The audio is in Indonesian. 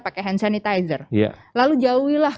pakai hand sanitizer lalu jauhilah